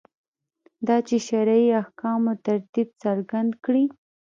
دا چې شرعي احکامو ترتیب څرګند کړي.